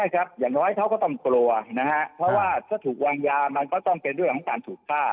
ใช่เพราะถูกวางยามันง่ายมากกว่าถูกฆ่า